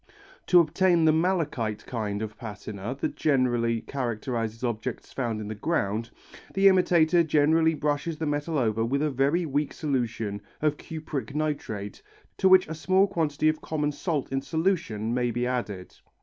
To obtain the malachite kind of patina that generally characterizes objects found in the ground, the imitator generally brushes the metal over with a very weak solution of cupric nitrate to which a small quantity of common salt in solution may be added.